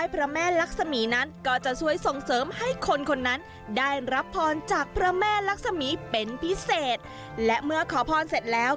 พิเศษและเมื่อขอพรเสร็จแล้ว